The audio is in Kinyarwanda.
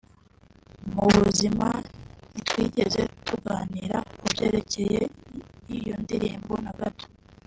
Mu buzima nitwigeze tunaganira kubyerekeye iyo ndirimbo na gato